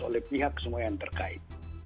oleh pihak semua yang terkait